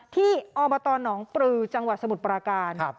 ที่ออมตรนองค์ปรือจังหวัดสมุทรปราการ